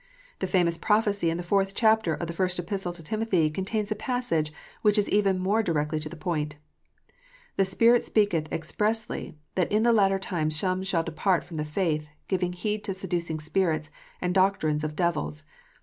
The famous prophecy in the fourth chapter of the first Epistle to Timothy contains a passage which is even more directly to the point :" The Spirit speaketh expressly, that in the latter times some shall depart from the faith, giving heed to seducing spirits, and doctrines of devils."